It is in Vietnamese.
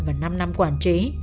và năm năm quản chế